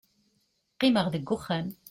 qqimeɣ deg uxxam